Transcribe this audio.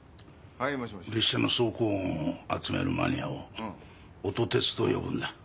列車の走行音を集めるマニアを「音鉄」と呼ぶんだ。